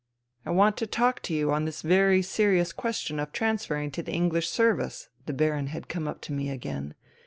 " I want to talk to you on this very serious question of transferring to the Enghsh Service." The Baron had come up to me again.